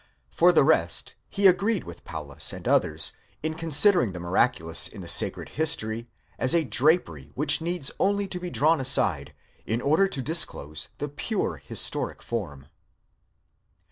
For the rest, he agreed with Paulus and others in considering the miraculous in the sacred history as a drapery which needs only to be drawn aside, in order to disclose the pure historic form.